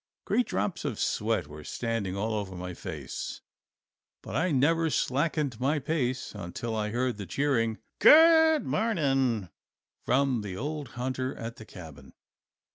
Great drops of sweat were standing all over my face, but I never slackened my pace until I heard the cheering "Good morning" from the old hunter at the cabin.